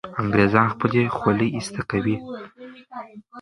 انګریزان خپله خولۍ ایسته کوي.